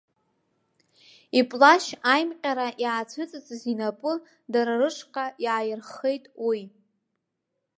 Иплашь аимҟьара иаацәыҵҵыз инапы дара рышҟа иааирххеит уи.